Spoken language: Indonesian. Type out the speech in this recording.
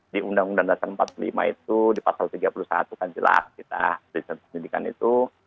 di undang undang dasar empat puluh lima itu di pasal tiga puluh satu kan jelas kita penyidikan itu